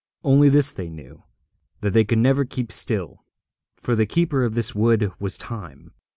Only this they knew, that they could never keep still; for the keeper of this wood was Time.